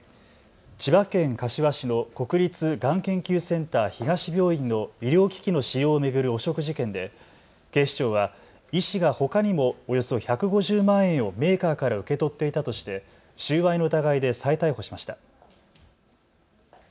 千葉県柏市の国立がん研究センター東病院の医療機器の使用を巡る汚職事件で警視庁は医師がほかにもおよそ１５０万円をメーカーから受け取っていたとして収賄の疑いで再逮捕しました。